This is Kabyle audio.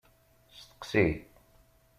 Steqsi!